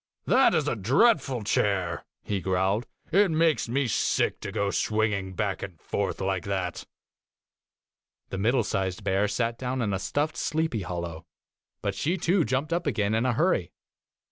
* That is a dreadful chair,' he growled. ' It makes me sick to go swinging back and forth like that.' The middle sized bear sat down in a stuffed sleepy hollow, but she too jumped up again in a hurry.